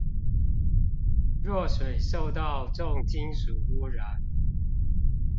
若水受到重金屬污染